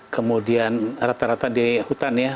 kemudian rata rata di hutan ya